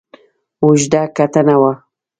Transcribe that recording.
اوږده کتنه وه.